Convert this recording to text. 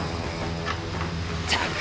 ったく！